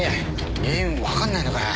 原因分かんないのかよ？